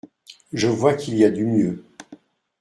Je vois qu’il y a du mieux.